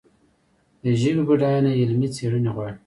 د ژبې بډاینه علمي څېړنې غواړي.